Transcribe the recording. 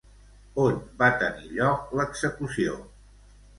On va tenir lloc l'execució?